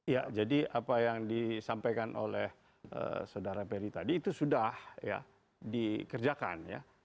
ya jadi apa yang disampaikan oleh saudara ferry tadi itu sudah dikerjakan